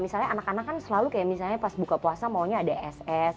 misalnya anak anak kan selalu kayak misalnya pas buka puasa maunya ada ss